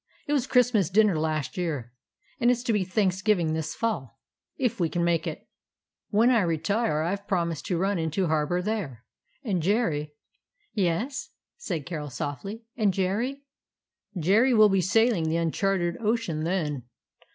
It was Christmas dinner last year, and it 's to be Thanksgiving this fall, if we can make it. When I retire I Ve prom ised to run into harbor there. And Jerry —" "Yes," said Carol softly, "and Jerry?" "Jerry will be sailing the uncharted ocean then.